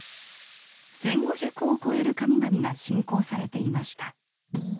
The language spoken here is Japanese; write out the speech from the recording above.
１，５００を超える神々が信仰されていました。